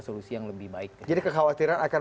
solusi yang lebih baik jadi kekhawatiran akan